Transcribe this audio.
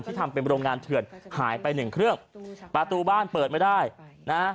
ทำเป็นโรงงานเถื่อนหายไปหนึ่งเครื่องประตูบ้านเปิดไม่ได้นะฮะ